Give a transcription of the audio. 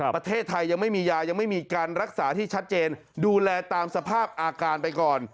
ประเทศไทยยังไม่มียายังไม่มีการรักษาที่ชัดเจนดูแลตามสภาพอาการไปก่อน